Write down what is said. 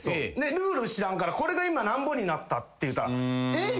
ルール知らんからこれが今なんぼになったって言うたらえっ！？